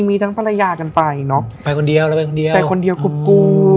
มีทั้งภรรยากันไปเนอะไปคนเดียวแล้วไปคนเดียวไปคนเดียวคือกู